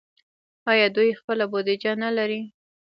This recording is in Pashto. آیا دوی خپله بودیجه نلري؟